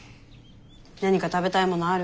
何か食べたいものある？